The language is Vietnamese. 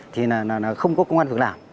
thì là là không có công an được làm